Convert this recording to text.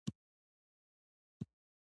دوی به د مشر یا سردار لپاره کاروی